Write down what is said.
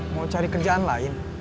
mau cari kerjaan lain